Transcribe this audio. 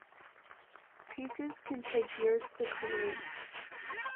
Pieces can take years to create.